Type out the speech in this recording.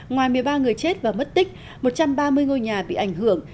ngoài một mươi ba người chết và mất tích một trăm ba mươi ngôi nhà bị ảnh hưởng